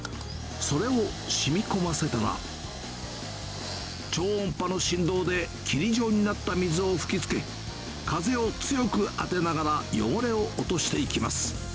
それをしみこませたら、超音波の振動で霧状になった水を吹きつけ、風を強く当てながら汚れを落としていきます。